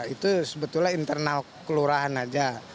itu sebetulnya internal kelurahan aja